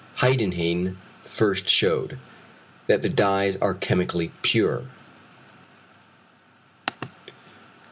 Heidenhain first shewed, that the dyes are =chemically pure=.